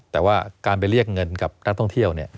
แต่ว่าการไปเรียกเงินกับนักท่องเที่ยว